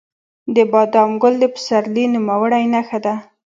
د بادام ګل د پسرلي لومړنی نښه ده.